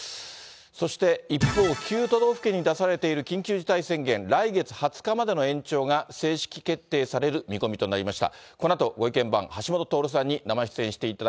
そして一方、９都道府県に出されている緊急事態宣言、来月２０日までの延長が正式決定される見込みとなりました。